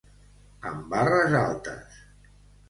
Amb barres altes.